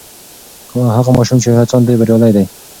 هغه ماشوم چې هڅاند دی بریالی دی.